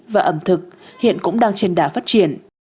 và ẩm thực hiện cũng đang trên đá phát triển